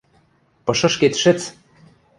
— Пышышкет шӹц!